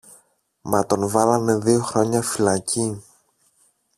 μα τον βάλανε δυο χρόνια φυλακή.